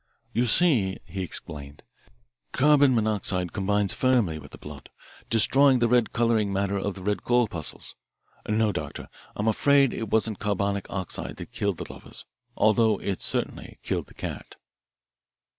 "You see," he explained, "carbon monoxide combines firmly with the blood, destroying the red colouring matter of the red corpuscles. No, Doctor, I'm afraid it wasn't carbonic oxide that killed the lovers, although it certainly killed the cat."